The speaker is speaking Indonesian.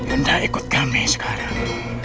anda ikut kami sekarang